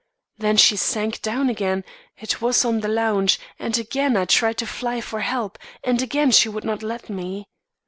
When she sank down again, it was on the lounge; and again I tried to fly for help, and again she would not let me.